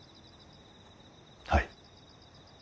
はい。